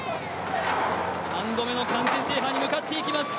３度目の完全制覇に向かっていきます。